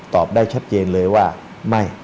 ตอบได้ชัดเจนเลยว่าไม่